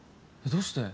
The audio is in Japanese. どうして！？